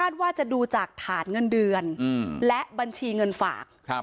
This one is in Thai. ว่าจะดูจากฐานเงินเดือนและบัญชีเงินฝาก